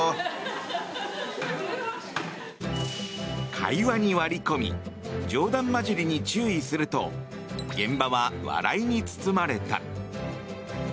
会話に割り込み冗談交じりに注意すると現場は笑いに包まれた。